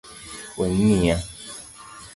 Weng’iya